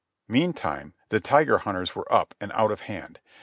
Meantime the Tiger Hunters were up and out of hand.